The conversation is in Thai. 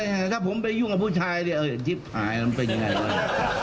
เฮ่ยถ้าผมไปยุ่งกับผู้ชายจิ๊บหายแล้วมันเป็นอย่างไร